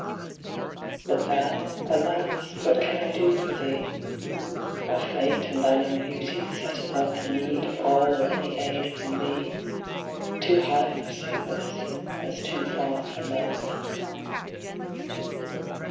But thou; Alas, what can I do for thee? By Fate, and thine own beauty, set above The need of all or any aid from me, Too high for service, as too far for love.